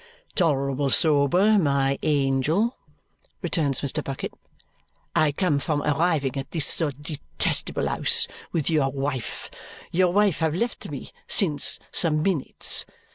"Tolerable sober, my angel," returns Mr. Bucket. "I come from arriving at this so detestable house with your wife. Your wife have left me since some minutes.